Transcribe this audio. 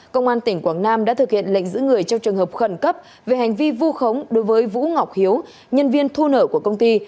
công an tỉnh quảng nam đã thực hiện lệnh giữ người trong trường hợp khẩn cấp về hành vi vu khống đối với vũ ngọc hiếu nhân viên thu nợ của công ty